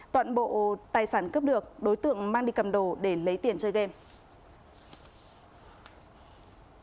toàn bộ tài sản cướp được đối tượng mang đi cầm đồ để lấy tiền chơi game